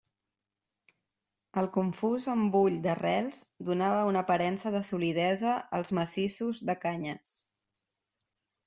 El confús embull d'arrels donava una aparença de solidesa als massissos de canyes.